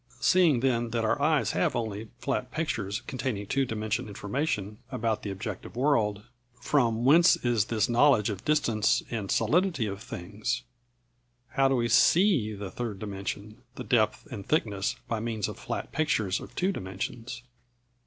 Seeing then that our eyes have only flat pictures containing two dimension information about the objective world, from whence is this knowledge of distance and the solidity of things? How do we see the third dimension, the depth and thickness, by means of flat pictures of two dimensions?